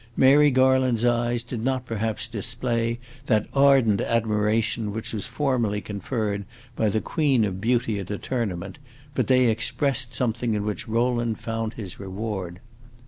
Mary Garland's eyes did not perhaps display that ardent admiration which was formerly conferred by the queen of beauty at a tournament; but they expressed something in which Rowland found his reward.